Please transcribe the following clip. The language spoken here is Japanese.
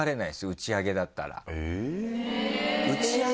打ち上げだったら。